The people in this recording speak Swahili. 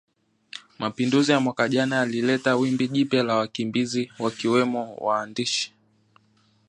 Mapinduzi ya mwaka jana yalileta wimbi jipya la wakimbizi wakiwemo waandishi